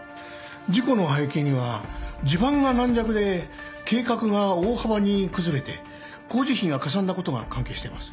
事故の背景には地盤が軟弱で計画が大幅に崩れて工事費がかさんだことが関係してます。